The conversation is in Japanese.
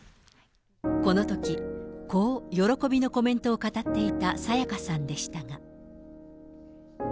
このとき、こう喜びのコメントを語っていた沙也加さんでしたが。